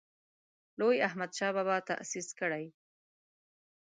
لوی احمدشاه بابا تاسیس کړی.